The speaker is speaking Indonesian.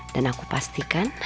dan aku pastikan